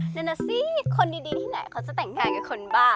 นั่นน่ะสิคนดีที่ไหนเขาจะแต่งงานกับคนบ้าง